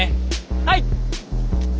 はい！